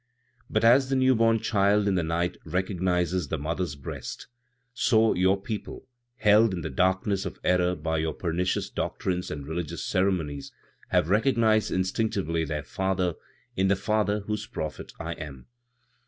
"But, as the newborn child in the night recognizes the mother's breast, so your people, held in the darkness of error by your pernicious doctrines and religious ceremonies, have recognized instinctively their Father, in the Father whose prophet I am.